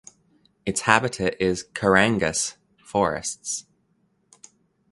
Its habitat is "kerangas" forests.